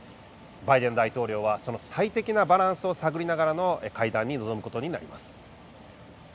バイデン大統領はその最適なバランスを探りながらの会談に臨むことになります。